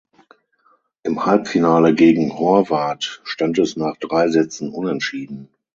Im Halbfinale gegen Horvath stand es nach drei Sätzen Unentschieden.